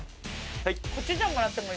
はい。